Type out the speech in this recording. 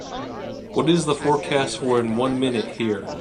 What is the forecast for in one minute here